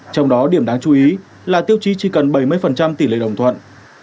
trong đó điểm đáng chú ý là tiêu chí chỉ cần bảy mươi tỷ lệ đồng thuận